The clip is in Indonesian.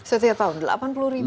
setiap tahun delapan puluh ribu